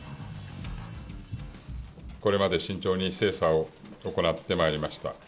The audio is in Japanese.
これまで慎重に精査を行ってまいりました。